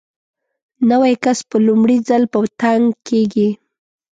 نوی کس په لومړي ځل په تنګ کېږي.